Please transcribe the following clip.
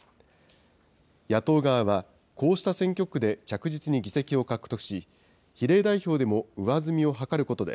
野党側は、こうした選挙区で着実に議席を獲得し、比例代表でも上積みを図ることで、